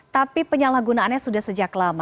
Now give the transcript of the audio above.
tapi penyalahgunaannya sudah sejak lama